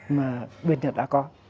mà bên nhật đã có